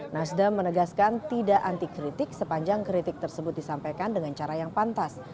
nasdem menegaskan tidak anti kritik sepanjang kritik tersebut disampaikan dengan cara yang pantas